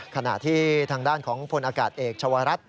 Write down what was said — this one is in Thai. ขณะที่ทางด้านของพลอากาศเอกชาวรัฐ